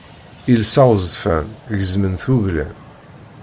Iles aɣezfan gezzmen-t wuglan.